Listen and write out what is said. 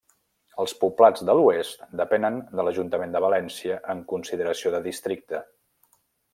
Els Poblats de l'Oest depenen de l'ajuntament de València en consideració de districte.